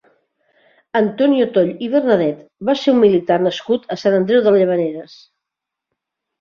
Antonio Toll i Bernadet va ser un militar nascut a Sant Andreu de Llavaneres.